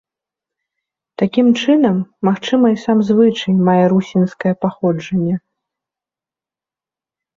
Такім чынам, магчыма, і сам звычай мае русінскае паходжанне.